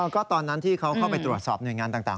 ก็ตอนนั้นที่เขาเข้าไปตรวจสอบหน่วยงานต่าง